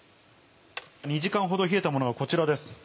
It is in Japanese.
２時間ほど冷えたものがこちらです。